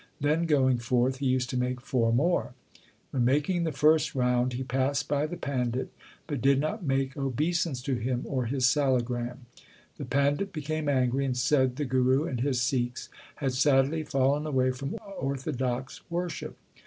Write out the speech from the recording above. Then going forth he used to make four more. When mak ing the first round he passed by the pandit, but did not make obeisance to him or his salagram. The pandit became angry, and said the Guru and his Sikhs had sadly fallen away from orthodox worship.